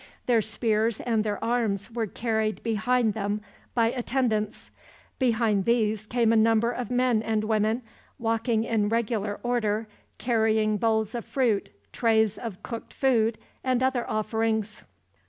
Their spears and their arms were carried behind them, by attendants. Behind these came a number of men and women, walking in regular order, carrying bowls of fruit, trays of cooked food, and other offerings.